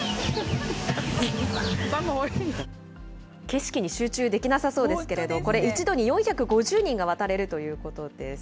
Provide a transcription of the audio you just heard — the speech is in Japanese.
景色に集中できなさそうですけど、これ、一度に４５０人が渡れるということです。